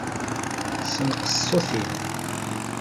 Senqeṣ ṣṣut-im.